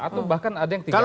atau bahkan ada yang tiga kali